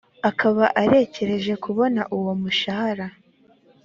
akaba arekereje kubona uwo mushahara.